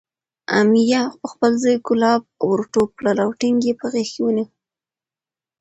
امیه پخپل زوی کلاب ورټوپ کړل او ټینګ یې په غېږ کې ونیو.